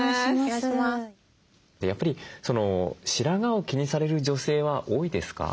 やっぱり白髪を気にされる女性は多いですか？